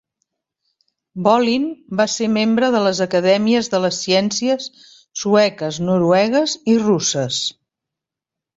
Bolin va ser membre de les Acadèmies de les Ciències sueques, noruegues i russes.